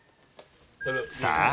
さあ